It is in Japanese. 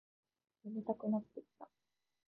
眠たくなってきた